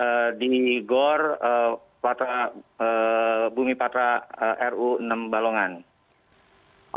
oke nanti kita tunggu bagaimana langkah konkret pertamina dalam menyelesaikan persoalan kebakaran